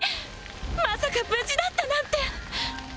まさか無事だったなんて！